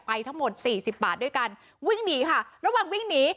ทั้งหมดสี่สิบบาทด้วยกันวิ่งหนีค่ะระหว่างวิ่งหนี